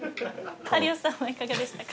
有吉さんはいかがでしたか？